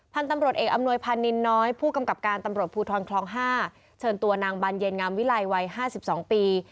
พันธุ์ตำรวจเอกอำนวยพานินน้อยผู้กำกับการตำรวจภูทรคลอง๕เชิญตัวนางบานเย็นงามวิลัยวัย๕๒ปี